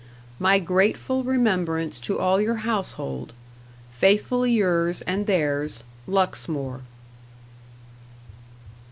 "My grateful remembrance to all your household. "Faithfully yours and theirs, "LUXMORE."